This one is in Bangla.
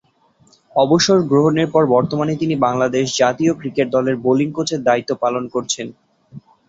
অবসর গ্রহণের পর বর্তমানে তিনি বাংলাদেশ জাতীয় ক্রিকেট দলের বোলিং কোচের দায়িত্ব পালন করছেন।